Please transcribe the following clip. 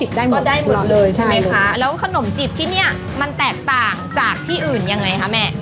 ได้ก็ได้หมดเลยใช่ไหมคะแล้วขนมจิบที่เนี่ยมันแตกต่างจากที่อื่นยังไงคะแม่